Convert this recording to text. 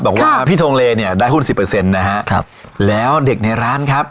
บอกว่าพี่ทงเลเนี่ยได้หุ้นสิบเปอร์เซ็นต์นะฮะครับแล้วเด็กในร้านครับ